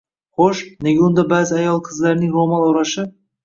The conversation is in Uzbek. Xo‘sh, nega unda ba’zi ayol-qizlarning ro‘mol o‘rashi